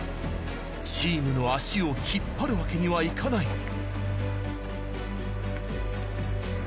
チームの足を引っ張るわけにはいかない。